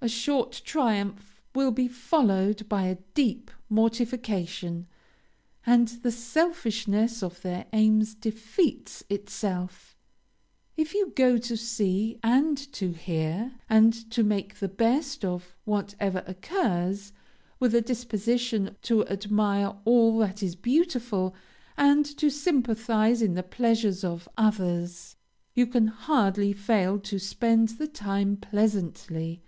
A short triumph will be followed by a deep mortification, and the selfishness of their aims defeats itself. If you go to see, and to hear, and to make the best of whatever occurs, with a disposition to admire all that is beautiful, and to sympathize in the pleasures of others, you can hardly fail to spend the time pleasantly.